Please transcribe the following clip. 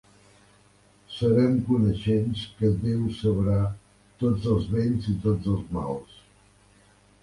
Serem coneixents que Déu sabrà tots els béns i tots els mals.